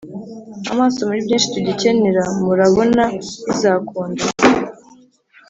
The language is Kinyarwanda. amaso muri byinshi tugikenera, murabonabizakunda